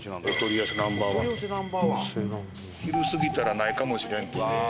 昼過ぎたらないかもしれんっていう。